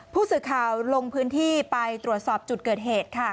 ผู้สื่อข่าวลงพื้นที่ไปตรวจสอบจุดเกิดเหตุค่ะ